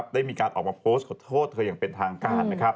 ได้มีการออกมาโพสต์ขอโทษเธออย่างเป็นทางการ